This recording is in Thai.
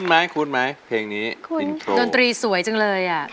ชวนคุยคุ้นไหมเพลงนี้อินโทรดนตรีสวยจังเลย